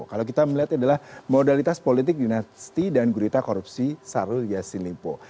kalau kita melihat adalah modalitas politik dinasti dan gurita korupsi sarul yassin limpo